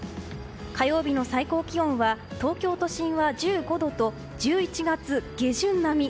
火曜日の最高気温は東京都心は１５度と１１月下旬並み。